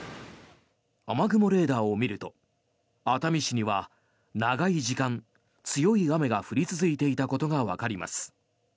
雨雲レーダーを見ると熱海市には長い時間、強い雨が降り続いていたことがわかります。